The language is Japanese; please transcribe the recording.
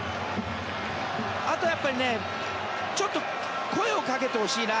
あとは、やっぱりちょっと声をかけてほしいな。